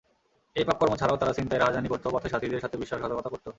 এ পাপকর্ম ছাড়াও তারা ছিনতাই, রাহাজানি করত, পথের সাথীদের সাথে বিশ্বাসঘাতকতা করত।